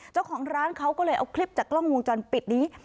เจ้าของร้านเขาก็เลยเอาคลิปจากกล้องวงจรปิดนี้